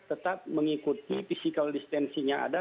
tetap mengikuti physical distancing yang ada